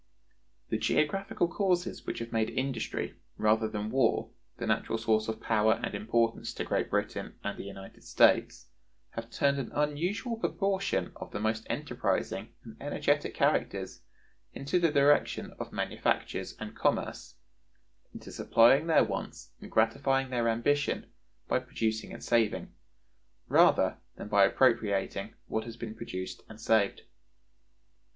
The geographical causes which have made industry rather than war the natural source of power and importance to Great Britain [and the United States] have turned an unusual proportion of the most enterprising and energetic characters into the direction of manufactures and commerce; into supplying their wants and gratifying their ambition by producing and saving, rather than by appropriating what has been produced and saved.